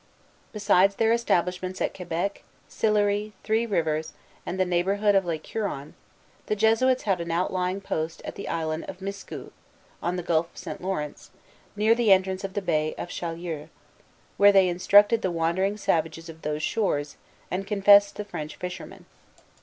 Besides their establishments at Quebec, Sillery, Three Rivers, and the neighborhood of Lake Huron, the Jesuits had an outlying post at the island of Miscou, on the Gulf of St. Lawrence, near the entrance of the Bay of Chaleurs, where they instructed the wandering savages of those shores, and confessed the French fishermen.